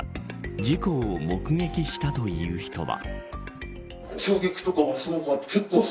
事故を目撃したという人は。